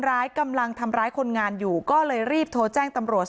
กำลังทำร้ายคนงานอยู่ก็เลยรีบโทรแจ้งตำรวจ